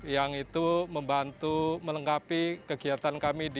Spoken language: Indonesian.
yang itu membantu melengkapi kegiatan kami di